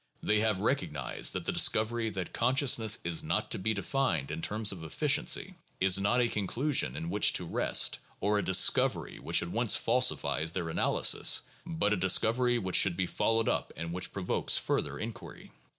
They have recog nized that the discovery that consciousness is not to be defined in terms of efficiency, is not a conclusion in which to rest, or a discovery which at once falsifies their analysis, but a discovery which should be followed up and which provokes further inquiry.